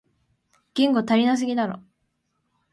言語足りなすぎだろ